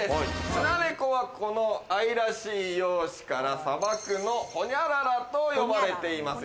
スナネコは、この愛らしい容姿から、砂漠のホニャララと呼ばれています。